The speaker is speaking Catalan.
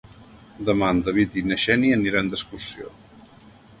Demà en David i na Xènia aniran d'excursió.